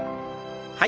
はい。